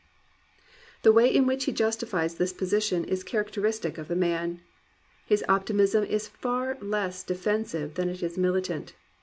The way in which he justifies this position is char acteristic of the man. His optimism is far less de fensive than it is militant.